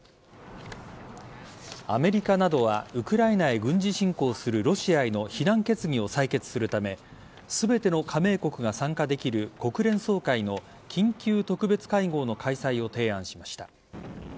アメリカなどはウクライナへ軍事侵攻するロシアへの非難決議を採決するため全ての加盟国が参加できる国連総会の緊急特別会合の開催を提案しました。